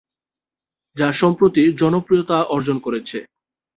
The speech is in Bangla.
যা সম্প্রতি জনপ্রিয়তা অর্জন করেছে।